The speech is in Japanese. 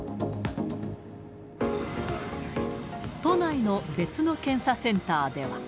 都内の別の検査センターでは。